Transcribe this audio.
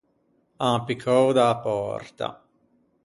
An piccou da-a pòrta.